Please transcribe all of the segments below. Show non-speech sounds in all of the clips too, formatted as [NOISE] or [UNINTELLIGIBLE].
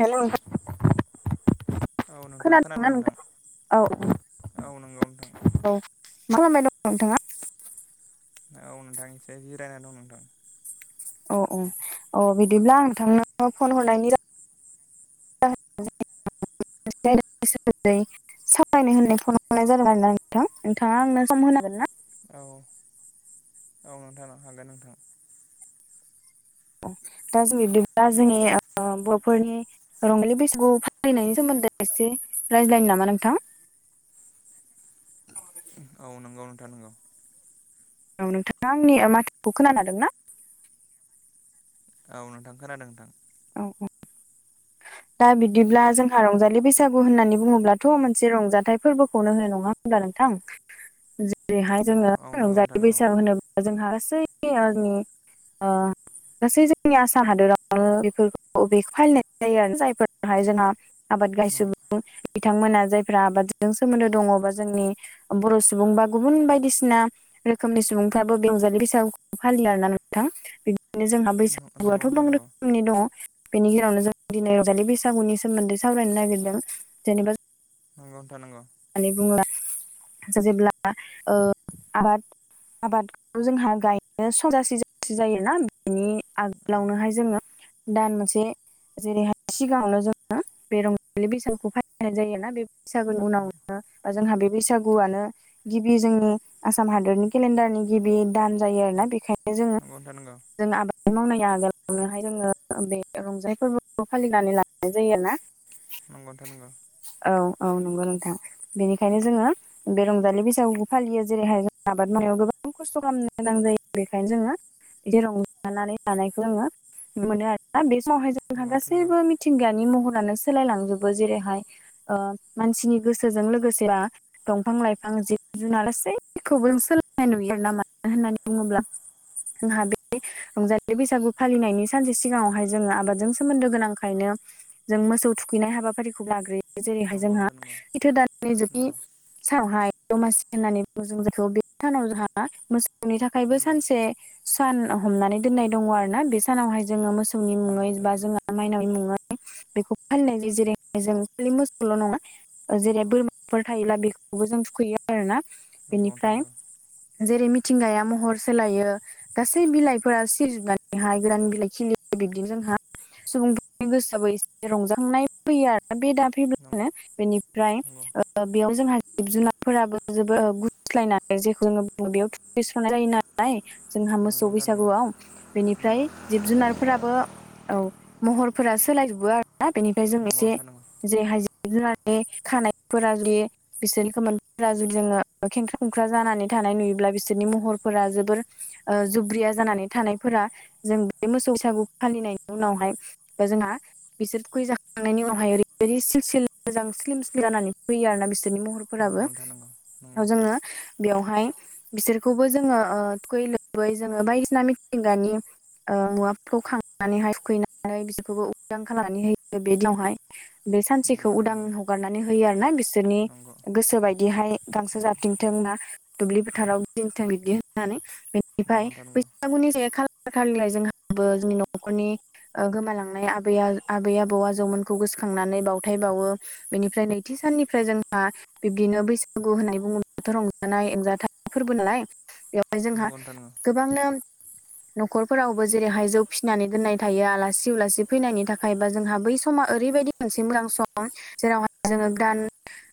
हेल' [UNINTELLIGIBLE] औ नोंथां खोनादोंना खोनादों नोंथां औ औ नंगौ नोंथां औ [INAUDIBLE] खालामबाय दं नोंथाङा? औ नोंथां एसे जिरायना दं नोंथां। अ औ अ बिदिब्ला आं थांनो फन हरनायनि [UNINTELLIGIBLE] सावरायनो होननाय फन हरनाय जादों आरोना नोंथां नोंथाङा आंनो सम होनो हागोन ना? औ औ नोंथां हागोन नोंथां। दा जों बिब्दिब्ला जोंनि ओ बर'फोरनि रंजालि बैसागु फालिनायनि सोमोन्दै एसे रायज्लायनो नामा नोंथां? औ नंगौ नोंथां नोंगौ। औ नोंथाङा आंनि माथोखौ खोनाखादों ना? औ नोंथां खोनादों नोंथां। औ औ। दा बिब्दिब्ला जोंहा रंजालि बैसागु होननानै बुङोब्लाथ' मोनसे रंजाथाइ फोरबोखौनो होनो नङा होनब्ला नोंथां जेरैहाय जोङो औ नंगौ नोंथां रंजालि नंगौ बैसाग होनो जोंहा गासै [UNINTELLIGIBLE] ओ गासै जोंनि आसा हादरावनो बेफोरखौ बेखो फालिनाय जायो आरो जायफोरहाय जोंहा आबाद नंगौ गायसोबो [UNINTELLIGIBLE] बिथांमोना जायफ्रा आबादजों सोमोन्दो दङ बा जोंनि बर' सुबुं बा गुबुन बायदिसिना रोखोमनि सुबुंफ्राबो रंजालि बैसागु फालियो आरोना नोंथां। बिनो जोंहा बैसागुआथ' [UNINTELLIGIBLE] रोख नोंथां नंगौ खोमनि दङ बेनि गेजेरावनो जों दिनै रंजालि बैसागुनि सोमोन्दै सावरायनो नागिरदों जेनेबा नंगौ था नंगौ। होननानै [UNINTELLIGIBLE] जेब्ला ओ आबाद आबादखौ जोंहा गायनो सम जासि जसि जायोना बेनि आग औ लावनोहाय जोङो दान मोनसे जेरैहाय सिगाङावनो जोङो बे रंजालि बैसागुखौ फालिनाय जायोना बे सागुनि उनाव नंगौ ओ जोंहा बे बैसागुआनो गिबि जोंनि आसाम हादरनि केलेण्डारनि गिबि दान जायो आरोना बेखायनो जोङो नोंथां नंगौ जों आबाद [UNINTELLIGIBLE] मावनाय आगोलावनोहाय जोङो बे रंजानाय फोर्बोखौ फालिनानै लाग्रोनाय जायो आरोना। [UNINTELLIGIBLE] औ औ नंगौ नोंथां बेनिखायनो जोङो बे रंजालि बैसागुखौ फालियो जेरैहाय जों आबाद मावनायाव गोबां खस्थ' खामनो गोनां जायो बेखायनो जोङो बिदि रंजानानै लानायखौ जोङो मोनो आरोना बे समावहाय जों जोंहा नंगौ नोंथां नंगौ नोंथां नंगौ नोंथां गासैबो मिथिंगानि महरानो सोलायलांजोबो जेरैहाय ओ मानसिनि गोसो सोजों लोगोसे बा दंफां लाइफां जिब जुनार गासैखौबो सोलोंनाय नुयो [UNINTELLIGIBLE] होननानै बुङोब्ला जोंहा बे रंजालि बैसागु फालिनायनि सानसे सिगाङावहाय जोङो आबादजों सोमोन्दो गोनांखायनो जों मोसौ थुखैनाय हाबाफारिखौ लाग्रोयो। नंगौ नोंथां नंगौ। जेथो दाननि जोबथि सानावहाय दमासि होननानै बुङो जों जायखौ बे सानाव जोंहा मोसौ नि थाखायबो सानसे सान हमनानै दोननाय दङ आरो ना। बे सानावहाय जोङो मोसौनि मुङै बा जोंहा माइनावनि मुङै बेखौ फालिनाय जायो जेरै जों खालि मोसौल' नङा जेरै बोरमाफोर थायोब्ला बेखौबो जों थुखैयो आरोना। बेनिफ्राय जेरै मिथिंगाया महर सोलायो गासै बिलाइफोरा सिरिजोबनानैहाय गोदान बिलाइ खिलियो। बिब्दिनो जोंहा सुबुंफोरनि गोसोआबो एसे रंजाखांनाय फैयो आरो बे दाब फैब्लानो बेनिफ्राय ओ ओ बेयाव जोंहा जिब जुनारफोराबो जोबो गुस्लायनानै जेखौ जोङो बुङो बेयाव [UNINTELLIGIBLE] [UNINTELLIGIBLE] जायो नालाय जोंहा नंगौ मोसौ नोंथां नंगौ बैसागुआव बेनिफ्राय जिब जुनार फोराबो औ महरफोरा सोलायजोबो आरोना। बेनिफ्राय जों नंगौ नंगौ नोंथां नंगौ नोंथां नंगौ नोंथां नंगौ नोंथां नंगौ एसे जेहाय जिब जुनारनि खानायफोरा जुदि बिसोरनि खोमोनफोरा जुदि जोङो खेंख्रा खुंख्रा जानानै थानाय नुयोब्ला बिसोरनि महरफोरा जोबोर ओ जुब्रिया जानानै थानायफोरा जों बे मोसौ फिसाखौ फानहैनायनि उनावहाय बा जोंहा बिसोर फैजाखांनायनि उनावहाय ओरैबायदि सिल सिल मोजां स्लिम स्लिम जानानै फैयो आरो ना बिसोरनि महरफोराबो उनाव नोंथां जोङो बेवहाय बिसोरखौबो जोङो ओ थुखै लोबै जोङो बायदिसिना मिथिंगानि ओ मुवाफोरखौ खांनानैहाय थुखैनानै बिसोरखौबो उदां खालामनानै होयो बे दिनावहाय। बे सानसेखौ उदां ह हगारनानै होयो आरो ना बिसोरनि गोसो बायदिहाय गांसो नंगौ जाफथिंथों ना दुब्लि फोथाराव गिदिंथों बिब्दि होननानै। बेनिफ्राय [UNINTELLIGIBLE] खालार खालिलाय जोंहाबो जोंनि नखरनि ओ गोमालांनाय आबै आबै आबौ आजौमोनखौ गोसोखांनानै बावथाय बावो। बेनिफ्राय नैथि साननिफ्राय जोंहा बिब्दिनो बैसागु होननानै बुङोब्लाथ' रंजानाय एंजाथाइ फोरबो नालाय बेयाव जोंहा नंगौ नोंथां नंगौ गोबांनो न'खरफोरावबो जेरैहाय जौ फिसिनानै दोननाय थायो आलासि उलासि फैनायनि था थाखायबा जोंहा बै समा ओरैबायदि मोनसे मोजां सम जेरावहाय जोङो गान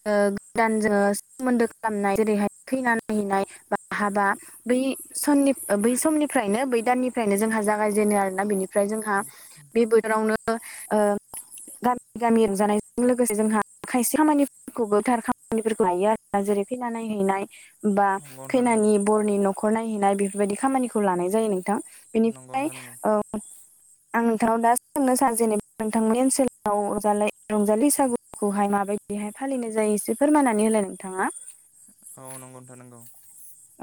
ओ गोदान जोङो सोमोन्दो खालामनाय जेरैहाय खैना नायहैनाय बा हाबा बै सननि बै समनिफ्रायनो बै दाननिफ्रायनो जोंहा जागायजेनो आरोना। बेनिफ्राय जोंहा बे बोथोरावनो ओ गामि गामि रंजानाय लोगोसे जोंहा खायसे खामानिफोरखौबो थार खामानिफोरखौ लायो आरो जेरै खैना नायहैनाय। बा नंगौ नोंथां नंगौ खैनानि बरनि न'खर नायहैनाय बेफोरबायदि खामानिखौ लानाय जायो नोंथां। नंगौ बेनिफ्राय नोंथां नंगौ ओ आं नोंथांनाव दा सोंनो सानदों जेनेबा नोंथांनि ओनसोलाव ओजालाय रंजालि बैसागुखौहाय माबायदिहाय फालिनाय जायो एसे फोरमायनानै होलाय नोंथाङा। औ नंगौ नोंथां नंगौ।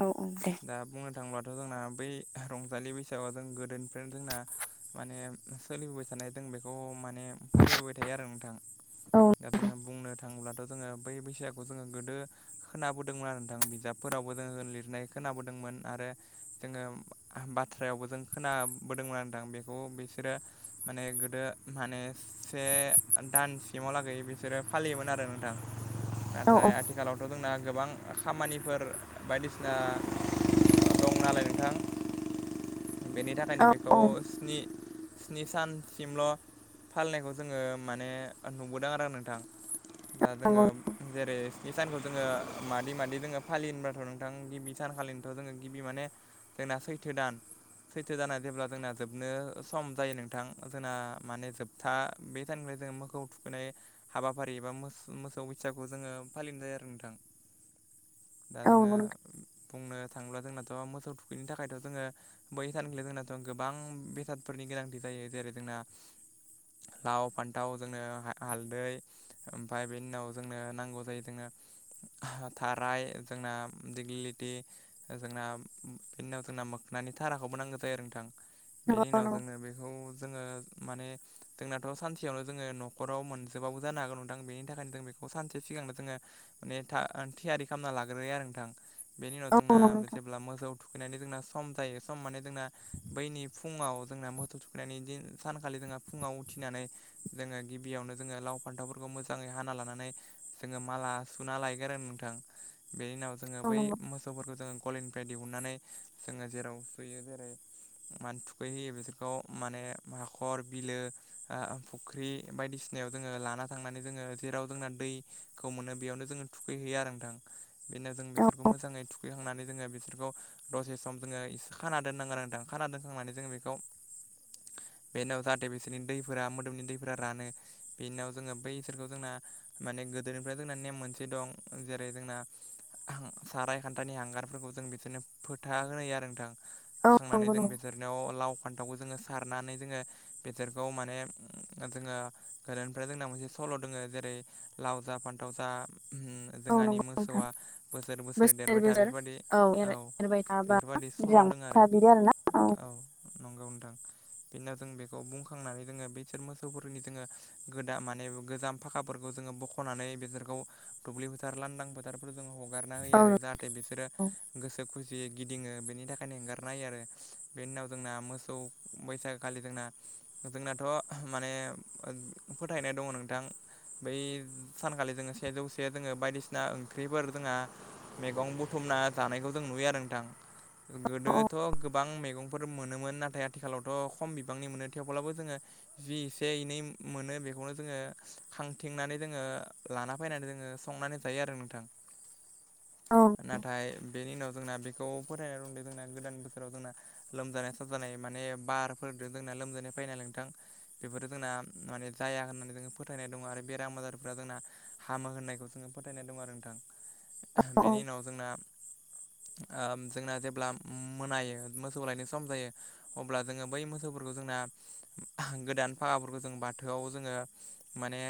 औ औ दे। दा बुंनो थाङोबथ' जोंना बै रंजालि बैसागुआव जों गोदोनिफ्रायनो जोंना माने सोलिबोबाय थानाय दों बेखौ माने माने फालिबोबाय थायो आरो नोंथां। औ दा जोङो बुंनो थाङोब्ला जोङो बै बैसागुखौ जोङो गोदो खोनाबोदोंमोन आरो नोंथां बिजाबफोरावबो जोङो लिरनाय खोनाबोदोंमोन आरो जोङो बाथ्रायावबो जों खोनाबोदोंमोन आरोदां बेखौ बिसोरो माने गोदो माने से दानसिमाव लागै बिसोरो फालियोमोन आरो नोंथां। नाथाय औ आथिखालावथ' जोंना गोबां खामानिफोर बायदिसिना दं नालाय नोंथां। बेनि थाखायनो औ बेखौ औ स्नि स्नि सानसिमल' फालिनायखौ जोङो माने नुबोदों आरो नोंथां। दा जोङो जेरै स्नि सानखौ जोङो मादै मादि जोङो फालियोबथ' नोंथां गिबि सान फालिनोथ' जोङो गिबि माने जोंना सैथो दान सैथो दाना जेब्ला जोंना जोबनो सम जायो नोंथां जोंना माने जोबथा बेटनिफ्राय जोङो मोखौ थुखैनाय हाबाफारि एबा मोसौ बैसागुखौ जोङो फालिनाय जायो आरो नोंथां। दा औ जोङो बुंनो थाङोब्ला जोंनाथ' मोसौ थुखैनि थाखायथ' जोङो बै सानखालि जोंनाथ' गोबां बेसादफोरनि गोनांथि जायो जेरै जोंना लाव फान्थाव ओजोंनो हालदै ओमफफ्राय बेनि उनाव जोंनो नांगौ जायो जोंनो थाराय जोंना दिग्लिलिटि जोंना बिनि उनाव जोंना मोखनि थ थाराखौबो नांगौ जायो नोंथां। नंगौ बेनि उनाव जोंनो बेखौ जोङो माने जोंनाथ' सानसेयावनो जोङो न'खराव मोनजोबाबो जानो हागौ नोंथां बेनि थाखायनो जों बेखौ सानसे सिगांनो जोङो माने था थियारि खालामना लाग्रोाय आरो नोंथां। बेनि उनाव औ जोंना नंगौ नोंथां जेब्ला मोसौआव थुखैनानै जोंना सम जायो सम माने जोंना बैनि फुङाव जोंना मोथौ सुखैनायनि दि सानखालि जोंहा फुङाव उथिनानै जोङो गिबियावनो जोङो लाव फान्थावफोरखौ मोजाङै हाना लानानै जोङो माला सुना लायगोन नोंथां बेनि उनाव जोङो बै नंगौ मोसौफोरखौ जोङो गलिनिफ्राय दिहुननानै जोङो जेराव सुयो जेरै मानो थुखैहोयो बिसोरखौ माने हाखर बिलो आ फुख्रि बायदिसिनायाव जोङो लाना थांनानै जोङो जेराव जोंना दैखौ मोनो बेयावनो जोङो थुखैहैयो आरो नोंथां। बेनो जों नंगौ बिसोरखौ मोजाङै थुखैखांनानै जोङो बिसोरखौ दसे सम जोङो खाना दोननांगोनांदों नोथां खाना दोनखांनानै जों बेखौ बे उनाव जाहाथे बिसोरनि दैफोरा मोदोमनि दैफोरा रानो बेनि उनाव जोङो बै इसोरखौ जोंना माने गोदोनिफ्राय जोंना नेम मोनसे दं जेरै जोंना साराय खान्थानि हांगारफोरखौ जों बिसोरनो फोथा होनाय आरो नोंथां औ होखांनानै नंगौ जों नोंथां बिसो बेदिरनायाव लाव फान्थावखौ जोङो सारनानै जोङो बेसोरखौ माने जोङो गोदोनिफ्राय जोंना मोनसे सल' दङ जेरै लाव जा फान्थाव जा औ नंगौ औ नंगौ औ जोंहानि नंगौ नोंथां मोसौआ बोसोरै बोसोरै बोसोर देरबाय था बोसोर बेफोरबायदि औ एरबाय थाबा बेफोरबायदि फल'दों बिरलांबाय आरो था बिदि आरोना औ नंगौ नोंथां। बेनि उनाव जों बेखौ बुंखांनानै जोङो बिसोर मोसौफोरनि जोङो गोदा माने गोजाम फाखाफोरखौ जोङो बख'नानै बेसोरखौ दुब्लि फोथार लांदां फोथारफोर जोङो हगार खारना होयो औ आरो जाहाथे बिसोरो गोसो खुसियै गिदिङो बेनि थाखाय बेखायनो एंगारना हायो आरो। बेनि उनाव जोंना मोसौ बैसागोखालि जोंना नोंथोंनाथ' माने फोथायनाय दङ नोंथां। बै सानखालि जोङो सेजौसे जोङो बायदिसिना ओंख्रिफोर जोंहा मैगं बुथुमना थानायानायखौ जों नुयो आरो नोंथां। गोदोथ' गोबां मैगंफोर मोनोमोन नाथाय आथिखालावथ' खम बिबांनि मोनो थेवब्लाबो जोङो जि एसे एनै मोनो बेखौनो जोङो खांथिंनानै जोङो लाना फैनानै जोङो संनानै जायो आरो नोंथां। औ नाथाय बेनि उनाव जोंना बेखौ फरायनो दंदों जोंना गोदान बोसोराव जोंना लोमजानाय साजानाय माने बारफोरजों जोंना लोमजानाय फै नालाय नोंथां। बेफोरो जोंना माने जाया होननानै जोंङो फोथायनाय दङ आरो बेराम आजारफोरा जोंना। हामो होननायखौ जोङो फोथायनाय दं आरो नोंथां। औ बेनि उनाव जोंना ओम जोंना जेब्ला। मोनायो मोसौ लायनो सम जायो अब्ला जोङो बै मोसौफोरखौ जोंना। गोदान फाखाफोरखौ जों बाथौआव जोङो माने,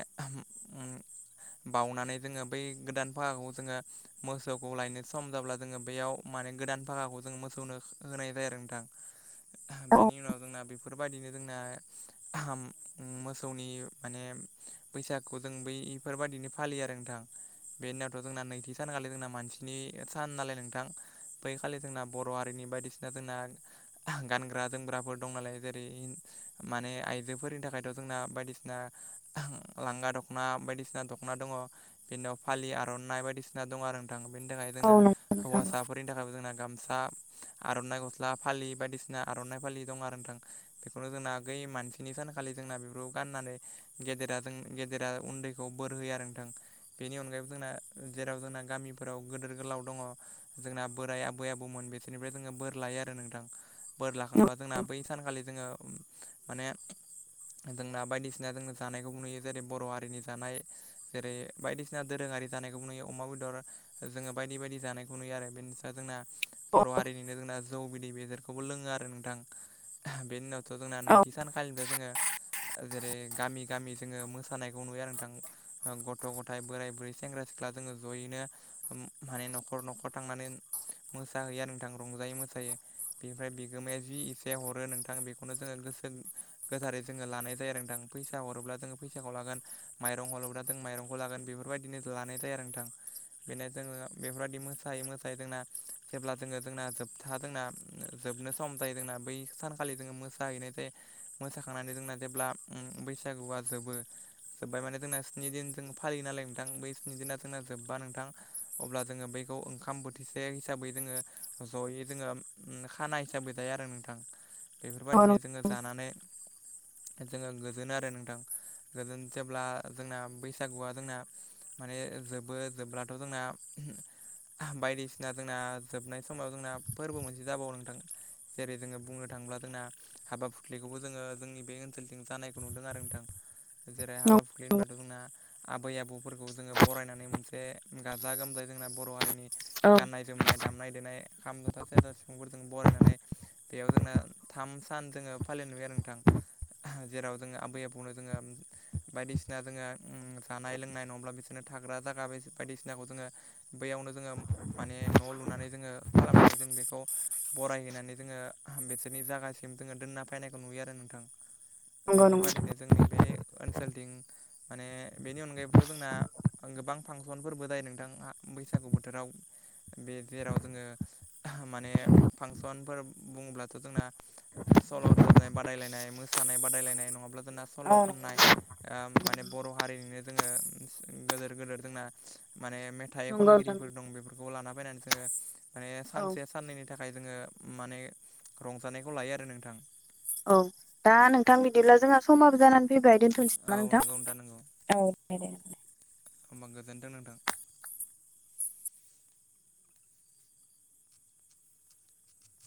बाउनानै जोङो बै गोदान भाखाखौ जोङो मोसौखौ लायनो सम जाब्ला जोङो बेयाव। माने गोदान भाखाखौ, जों मोसौनो होनाय जाया आरो नोंथां औ बेनि उनाव जोंना बेफोरबायदिनो जोंना, ओम मोसौनि माने, बैसागु जों बै इफोरबायदिनो फालियो आरो नोंथां। बे उनावथ' जोंना नैथि सानखालि जोंना मानसिनि सान नालाय नोंथां बैखालि जोंना। बर' हारिनि बायदिसिना जोंना। गानग्रा जोमग्राफोर दं नालाय जेरै माने आइजोफोरनि थाखायथ' जोंना बायदिसिना। लांगा द'खना बायदिसिना दखना दङ। बेनि उनाव फालि आरनाइ बायदिसिना दं आरो नोंथा बेनि थाखाय औ जोंना नंगौ नोंथां हौवासाफोरनि थाखायबो जोंना गाम सा। आरनाइ गस्ला फालि बायदिसिना आरनाइ फालि दं आरो नोंथां बेखौनो जोंना गै मानसि। बिनि सानखालि जोंना बेफोरखौ गाननानै गेदेरा जों गेदेरा उन्दैखौ बोर होयो आरो नोंथां। बेनि अनगायैबो जोंना जेराव जोंना गामिफोराव गिदोर गोलाव दङ जोंना बोराय आब बै आबौमोन बिसोरनिफ्राय जोङो बोर लायो आरो नोंथां बोर लाखांबा जोंना बै सानखालि जोङो। माने। जोंना बायदिसिना जोङो जानायखौ नुयो जेरै बर' हारिनि जानाय जेरै बायदिसिना दोरोङारि जानायखौ नुयो अमा बेदर जोङो बायदि बायदि जानायखौ नुयो आरो बेनिसा जोंना। औ बर' हारिनिनो जोंना जौ बिदै बेदरखौबो लोङो आरो नोंथां बे उनाव। थ' जोंना औ नैथि सानखालिबो जोङो। जेरै गामि गामि जोङो मोसानायखौ नुयो आरो नोंथां गथ' गथाय बोराइ बुरै सेंग्रा सि सिख्ला जोङो जयैनो माने न'खर न'खर थांनानै। मोसाहैयो आरो नोंथां रंजायो मोसायो। बेनिफ्राय बिगोमाया जि एसे हरो नोंथां बेखौनो जोङो गोसो गोथारै जोङो लानाय जायो आरो नोंथां फैसा हरोब्ला जोङो फैसाखौ लागोन। माइरं हरोब्रा जों माइरंखौ लागोन बेफोर बायदिनो लानाय जायो आरो नोंथां। बेनो जोङो बेफोर बायदि मोसायै मोसायै जोंना। जेब्ला जोङो जोंना जोबथा जोंना जोबनो सम जायो जोंना बै सानखालि जोङो मोसाहैनाय जायो। मोसाखांनानै जोंना जेब्ला बैसागुआ जोबो। जोबबाय माने जोंना स्नि दिन जों फालियो नालाय नोंथां बै स्नि दिना जोंना जोबबा नोंथां। अब्ला जोङो बैखौ ओंखाम बोथिसे हिसाबै जोङो ज'यै जोङो खाना हिसाबै जायो आरो नोंथां। बेफोर औ नंगौ बायदिनो जोङो जानानै। जोङो गोजोन आरो नोंथां गोजोन जेब्ला जोंना बैसागुआ जोंना। माने जोबो जोबब्लाथ' जोंना बायदिसिना, जोंना जोबनाय समाव जोंना फोरबो मोनसे जाबावो नोंथां जेरै जोङो बुंनो थाङोब्ला जोंना। हाबा फुख्लिखौबो जोङो जोंनि बे ओनसोलजों जानायखौ नुदों आरो नोंथां। जेरै नंगौ हाबा फुख्लि होनबाथ' जोंना। आबै आबौफोरखौ जोङो बरायनानै मोनसे गाजा गोमजायै जोंना बर' हारिनि। औ गाननाय जोमनाय दामनाय देनाय खाम, जथा, सेरजा सिफुंफोरजों बरायनानै। बेयाव जोंना थाम सान जोङो फालिनाय नुयो आरो नोंथां। जेराव जोङो आबै आबौनो जोङो। बायदिसिना जोङो उम जानाय लोंनाय नङाब्ला बिसोरनो थाग्रा जागा बायदिसिनाखौ जोङो। बैयावनो जोङो माने न'लुनानै जोङो खालामनानै जों बेखौ। बरायहैनानै जोङो बिसोरनि जायगासिम जोङो दोनना फैनायखौ नुयो आरो नोंथां। नंगौ बेफोर बादिनो जोंनि बे ओनसोलथिं माने बेनि अनगायैबोथ जोंना। गोबां फांसनफोरबो जायो नोंथां हा बैसागु बोथोराव। बे जेराव जोङो माने फांसनफोर बुङोब्लाथ जोंना। सल रोजाबनाय बादायलायनाय मोसानाय बादायलायनाय नङाब्ला जोंना सल खननाय। ओ माने बर हारिनिनो जोङो गोदोर गोेदोर जोंना मेने थाइ नंगौ नोंथां खनगिरिफोर दं बेफोरखौ लाना फैनानै जोङो माने औ सानसे। साननैनि थाखाय जोङो माने रंजानायखौ लायो आरो नोंथां। औ दा नोंथां बिदिब्ला जोंहा समाबो जानानै फैबाय दोनथनोसै औ नामा नंगौ नंगौ नोंथां। औ दे। होमबा गोजोन्थों नोंथां।